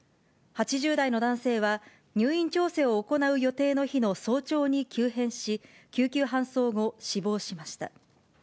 ８０代の男性は、入院調整を行う予定の日の早朝に急変し、救急搬送後、死亡しました。